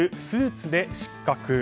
スーツで失格。